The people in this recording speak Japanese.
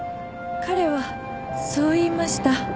彼はそう言いました。